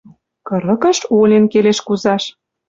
Кырыкыш олен келеш кузаш.